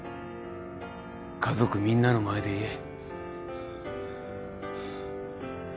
家族みんなの前で言え。